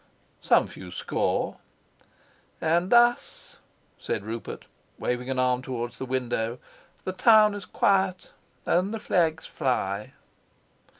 "Some few score." "And thus," said Rupert, waving an arm towards the window, "the town is quiet and the flags fly?"